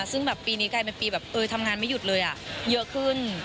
ซึ่งแบบปีนี้กลายเป็นปีแบบทำงานไม่หยุดเลยเยอะขึ้น